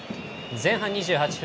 前半２８分。